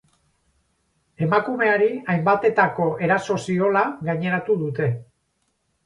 Emakumeari hainbatetako eraso ziola gaineratu dute.